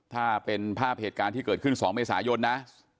ถ้าเป็นภาพเหตุการณ์ที่เกิดขึ้น๒เมษายนนะ